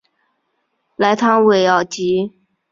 莱唐韦尔吉。